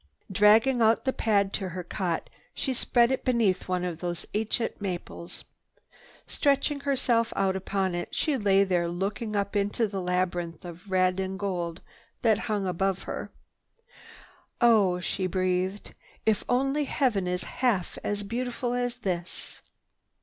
Dragging out the pad to her cot, she spread it beneath one of those ancient maples. Stretching herself out upon it, she lay there looking up into the labyrinth of red and gold that hung above her. "Oh," she breathed, "if only heaven is half as beautiful as this!"